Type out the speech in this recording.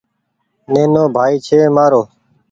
نينو ڀآئي ڇي مآرو ۔